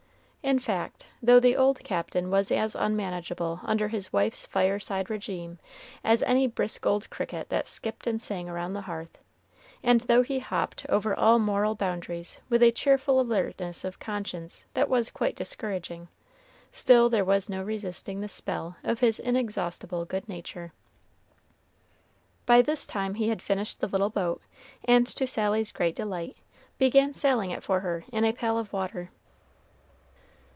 In fact, though the old Captain was as unmanageable under his wife's fireside régime as any brisk old cricket that skipped and sang around the hearth, and though he hopped over all moral boundaries with a cheerful alertness of conscience that was quite discouraging, still there was no resisting the spell of his inexhaustible good nature. By this time he had finished the little boat, and to Sally's great delight, began sailing it for her in a pail of water.